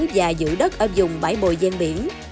và giữ đất ở vùng bãi bồi gian biển